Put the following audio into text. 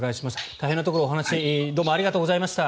大変なところお話どうもありがとうございました。